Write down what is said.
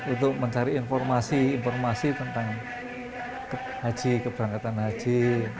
untuk mencari informasi informasi tentang haji keberangkatan haji